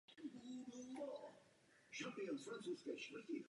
Jejich torpéda jsou dost silná.